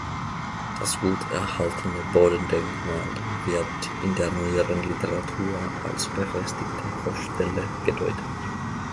Das gut erhaltene Bodendenkmal wird in der neueren Literatur als befestigte Hofstelle gedeutet.